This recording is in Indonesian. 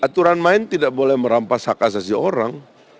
aturan main tidak boleh merampas hak asasi orang